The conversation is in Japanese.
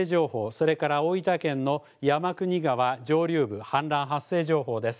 それから大分県の山国川上流部、氾濫発生情報です。